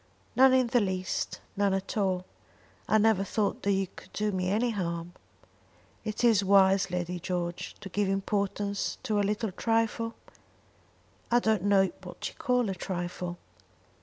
"None in the least none at all. I never thought that you could do me any harm." "Is it wise, Lady George, to give importance to a little trifle?" "I don't know what you call a trifle."